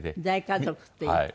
大家族っていう。